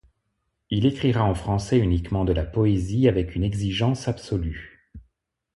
Il écrira en français uniquement de la poésie avec une exigence absolue.